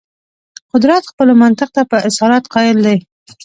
قدرت خپلو منطق ته په اصالت قایل دی.